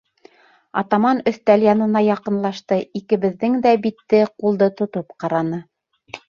Атаман өҫтәл янына яҡынлашты, икебеҙҙең дә битте, ҡулды тотоп ҡараны.